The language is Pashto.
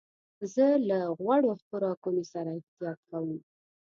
زه له غوړو خوراکونو سره احتياط کوم.